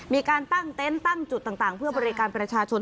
มีการตั้งเต็นต์ตั้งจุดต่างเพื่อบริการประชาชน